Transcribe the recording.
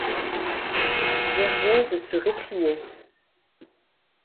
Gervaise se récriait.